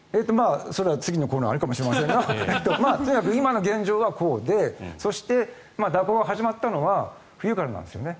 それは次のコーナーであるかもしれませんがとにかく今の現状はこうでそして、蛇行が始まったのは冬からなんですよね。